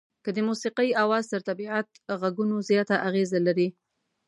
که د موسيقۍ اواز تر طبيعت غږونو زیاته اغېزه لري.